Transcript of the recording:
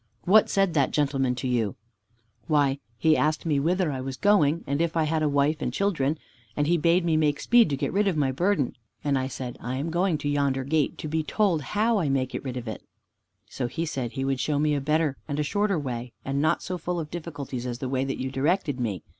"What said that gentleman to you?" "Why, he asked me whither I was going, and if I had a wife and children, and he bid me make speed to get rid of my burden. And I said, 'I am going to yonder gate to be told how I may get rid of it.' "So he said he would show me a better and a shorter way, and not so full of difficulties as the way that you directed me.